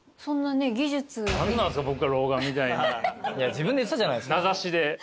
自分で言ってたじゃないですか。